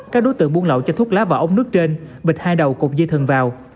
các đối tượng buôn lậu cho thuốc lá vào ống nước trên bịch hai đầu cùng dây thần vào